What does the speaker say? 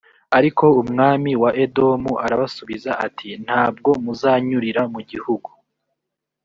ariko umwami wa edomu arabasubiza ati «nta bwo muzanyurira mu gihugu.